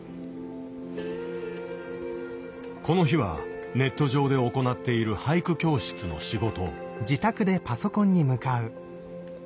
この日はネット上で行っている俳句教室の仕事。